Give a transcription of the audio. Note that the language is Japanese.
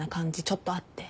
ちょっとあって。